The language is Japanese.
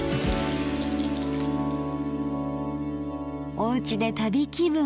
おうちで旅気分。